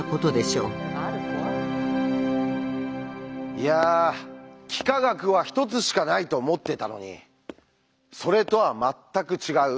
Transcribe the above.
いや幾何学は１つしかないと思ってたのにそれとは全く違う